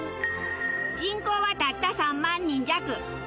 人口はたった３万人弱。